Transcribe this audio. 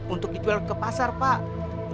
untuk dijual ke pasar pak